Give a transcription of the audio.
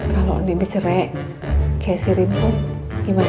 kalau nih bicara kayak si rimu gimana